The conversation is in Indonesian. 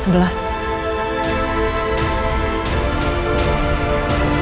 dia sudah mulai mendengar